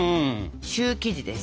シュー生地です。